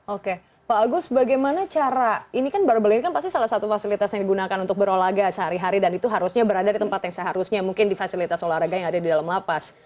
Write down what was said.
oke pak agus bagaimana cara ini kan barbel ini kan pasti salah satu fasilitas yang digunakan untuk berolahraga sehari hari dan itu harusnya berada di tempat yang seharusnya mungkin di fasilitas olahraga yang ada di dalam lapas